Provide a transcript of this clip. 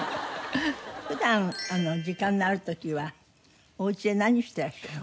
普段時間のある時はおうちで何してらっしゃるの？